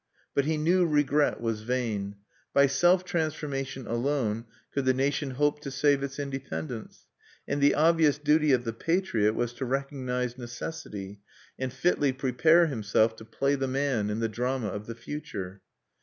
But he knew regret was vain. By self transformation alone could the nation hope to save its independence; and the obvious duty of the patriot was to recognize necessity, and fitly prepare himself to play the man in the drama of the future.